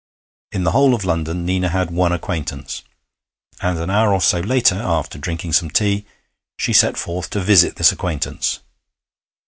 In the whole of London Nina had one acquaintance, and an hour or so later, after drinking some tea, she set forth to visit this acquaintance.